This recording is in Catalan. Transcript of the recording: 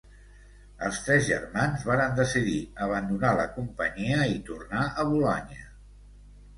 Els tres germans varen decidir abandonar la companyia i tornar a Bolonya.